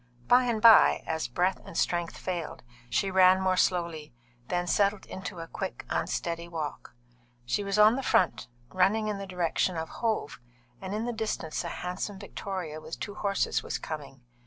By and by, as breath and strength failed, she ran more slowly, then settled into a quick, unsteady walk. She was on the front, running in the direction of Hove, and in the distance a handsome victoria with two horses was coming.